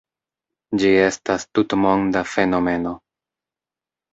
Ĝi estas tutmonda fenomeno.